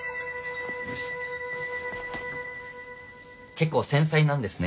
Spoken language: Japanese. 結構繊細なんですね